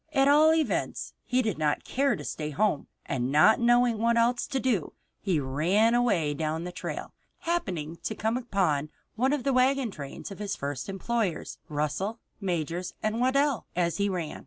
At all events, he did not care to stay at home, and not knowing what else to do, he ran away down the trail, happening to come upon one of the wagon trains of his first employers, Russell, Majors & Waddell, as he ran.